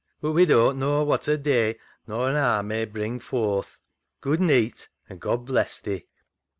But we doan't know what a day nor an haar may bring forth. Good neet, an' God bless thee."